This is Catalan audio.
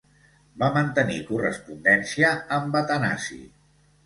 Va mantenir correspondència amb Atanasi.